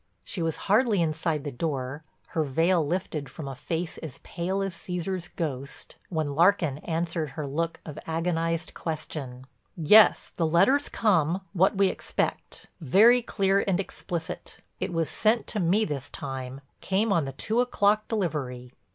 She was hardly inside the door, her veil lifted from a face as pale as Cæsar's ghost, when Larkin answered her look of agonized question: "Yes, the letter's come—what we expect, very clear and explicit. It was sent to me this time—came on the two o'clock delivery."